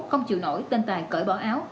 không chịu nổi tên tài cởi bỏ áo